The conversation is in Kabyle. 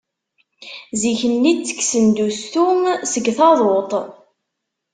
Zik-nni ttekksen-d ustu seg taḍuṭ.